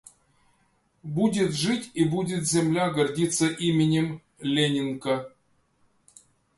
Будет жить, и будет земля гордиться именем: Ленинка.